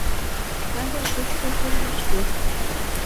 Саде шучко тюрьмашкет